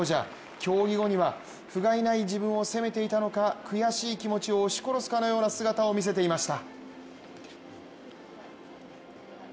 競技後にはふがいない自分を責めていたのか悔しい気持ちを押し殺すかのような姿を見せていました。